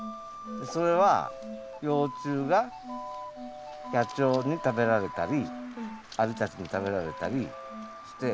それは幼虫が野鳥に食べられたりアリたちに食べられたりして。